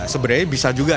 sebenarnya bisa juga